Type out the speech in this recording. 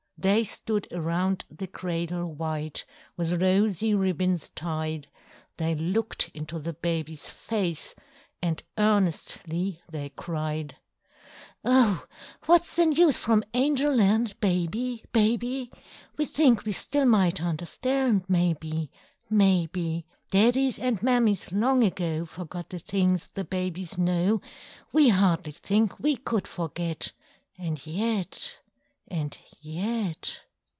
They stood around the cradle white, With rosy ribbons tied, They looked into the baby's face And earnestly they cried: "Oh! what's the news from Angel Land, Baby, Baby? We think we still might understand, Maybe, maybe! Daddies and Mammies long ago Forgot the things the babies know; We hardly think we could forget, And yet—and yet!"